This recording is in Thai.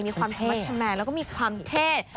มีความพัฒนาแล้วก็มีความเทศ